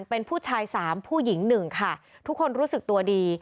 เป็นผู้ชายสามผู้หญิงหนึ่งค่ะทุกคนรู้สึกตัวดี